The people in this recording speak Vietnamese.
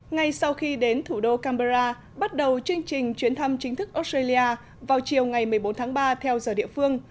ngay sau khi đến thủ đô canberra bắt đầu chương trình chuyến thăm chính thức australia vào chiều ngày một mươi bốn tháng ba theo giờ địa phương